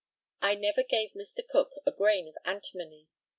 I never gave Mr. Cook a grain of antimony.